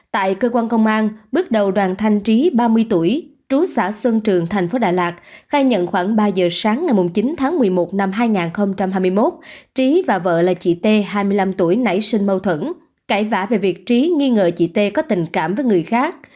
tại cơ quan công an bước đầu đoàn thanh trí ba mươi tuổi trú xã xuân trường thành phố đà lạt khai nhận khoảng ba giờ sáng ngày chín tháng một mươi một năm hai nghìn hai mươi một trí và vợ là chị t hai mươi năm tuổi nảy sinh mâu thuẫn cãi vã về việc trí nghi ngờ chị t có tình cảm với người khác